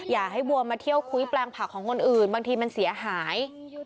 อย่าให้วัวมาเที่ยวคุ้ยแปลงผักของคนอื่นบางทีมันเสียหาย